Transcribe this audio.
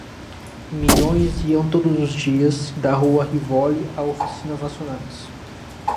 Milhões iam todos os dias da rua Rivoli a oficinas nacionais.